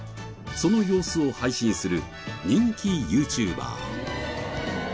その様子を配信する人気ＹｏｕＴｕｂｅｒ。